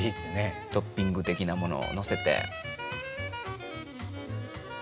トッピング的なものをのせて。